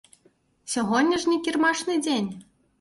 Сягоння ж не кірмашны дзень.